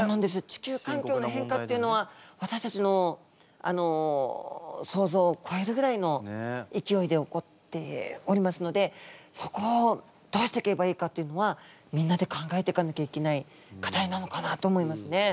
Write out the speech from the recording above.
地球環境の変化っていうのはわたしたちの想像をこえるぐらいのいきおいで起こっておりますのでそこをどうしていけばいいかっていうのはみんなで考えていかなきゃいけない課題なのかなと思いますね。